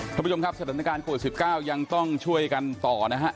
ท่านผู้ชมครับสถานการณ์โควิด๑๙ยังต้องช่วยกันต่อนะฮะ